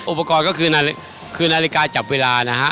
อุปกรณ์ก็คือคืนนาฬิกาจับเวลานะฮะ